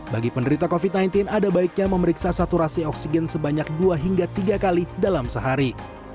bagi penderita covid sembilan belas ada baiknya memeriksa saturasi oksigen sebanyak dua hingga tiga kali dalam sehari